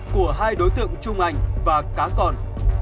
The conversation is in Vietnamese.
của hai đối tượng trung ảnh và cá con